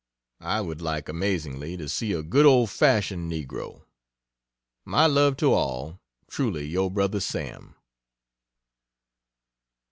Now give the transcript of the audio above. I would like amazingly to see a good old fashioned negro. My love to all Truly your brother SAM.